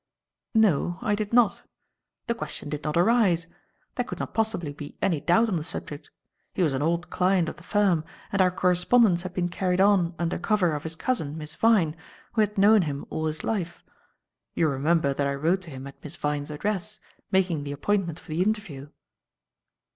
"No, I did not. The question did not arise. There could not possibly be any doubt on the subject. He was an old client of the firm, and our correspondence had been carried on under cover of his cousin, Miss Vyne, who had known him all his life. You remember that I wrote to him at Miss Vyne's address, making the appointment for the interview."